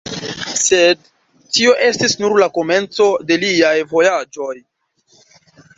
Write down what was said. Sed tio estis nur la komenco de liaj vojaĝoj.